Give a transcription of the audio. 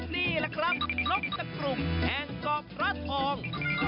นี่ล่ะครับนกสกลุ่มแทงกอบพระทอง